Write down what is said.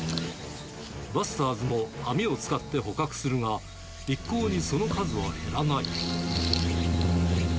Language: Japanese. バスターズも網を使って捕獲するが、一向にその数は減らない。